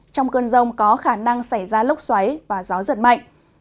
trong cơn rông có khả năng xảy ra lốc xoáy và gió giật mạnh